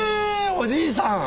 おじいさん！